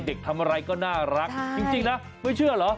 ทำอะไรก็น่ารักจริงนะไม่เชื่อเหรอ